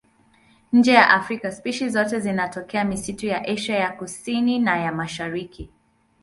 Nje ya Afrika spishi zote zinatokea misitu ya Asia ya Kusini na ya Mashariki.